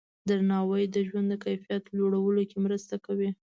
درناوی د ژوند د کیفیت لوړولو کې مرسته کوي.